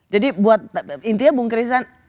jadi buat intinya bung christian